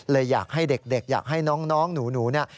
อยากให้เด็กอยากให้น้องหนูเนี่ย